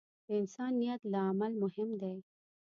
د انسان نیت له عمل مهم دی.